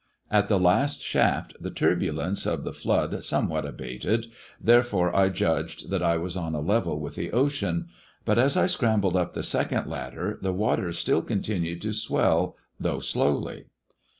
At the last shaft the turbulence of the flood ►mewhat abated, therefore I judged that I was on a level ith the ocean ) but as I scrambled up the second ladder le watfers still continued to swell, though slowly.